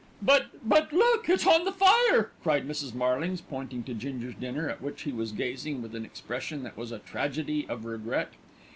"But but look, it's hon the fire," cried Mrs. Marlings, pointing to Ginger's dinner, at which he was gazing with an expression that was a tragedy of regret.